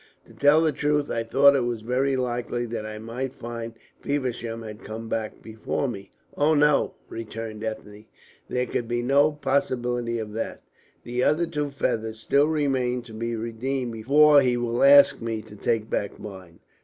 To tell the truth, I thought it very likely that I might find Feversham had come back before me." "Oh, no," returned Ethne, "there could be no possibility of that. The other two feathers still remain to be redeemed before he will ask me to take back mine."